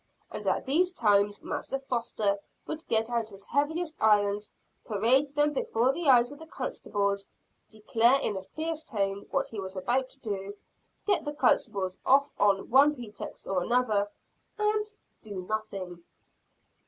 And at these times Master Foster would get out his heaviest irons, parade them before the eyes of the constables, declare in a fierce tone what he was about to do, get the constable off on one pretext or another and do nothing.